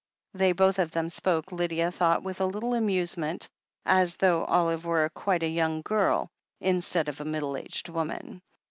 They both of them spoke, Lydia thought with a little amusement, as though Olive were quite a young girl, instead of a middle aged woman.